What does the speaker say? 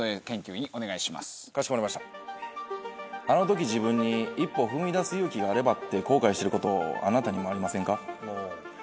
「あの時自分に一歩踏み出す勇気があれば」って後悔してることあなたにもありませんか？